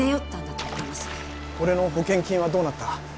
俺の保険金はどうなった？